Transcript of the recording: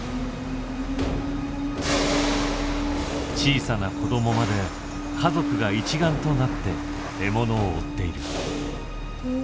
小さな子供まで家族が一丸となって獲物を追っている。